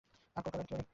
আর call করার নেই।